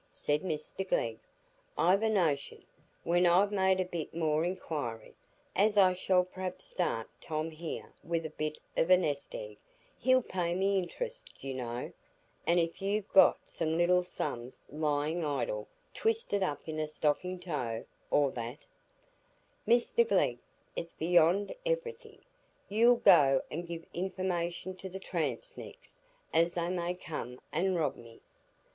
said Mr Glegg. "I've a notion, when I've made a bit more inquiry, as I shall perhaps start Tom here with a bit of a nest egg,—he'll pay me int'rest, you know,—an' if you've got some little sums lyin' idle twisted up in a stockin' toe, or that——" "Mr Glegg, it's beyond iverything! You'll go and give information to the tramps next, as they may come and rob me."